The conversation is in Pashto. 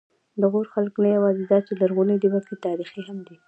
د غور خلک نه یواځې دا چې لرغوني دي، بلکې تاریخي هم دي.